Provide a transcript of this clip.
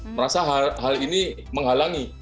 merasa hal ini menghalangi